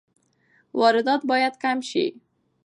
واردات باید کم شي.